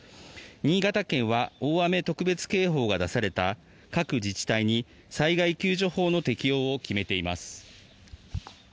新潟県は大雨特別警報が出された各自治体に災害救助法の適用を決めています。